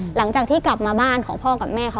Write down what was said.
หลังจากที่กลับมาบ้านของพ่อกับแม่เขา